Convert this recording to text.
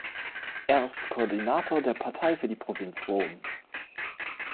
Er ist Koordinator der Partei für die Provinz Rom.